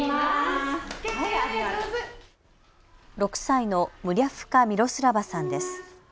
６歳のムリャフカ・ミロスラヴァさんです。